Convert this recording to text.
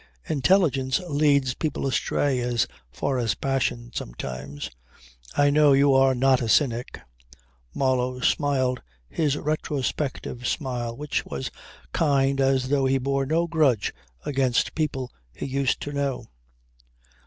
Intelligence leads people astray as far as passion sometimes. I know you are not a cynic." Marlow smiled his retrospective smile which was kind as though he bore no grudge against people he used to know.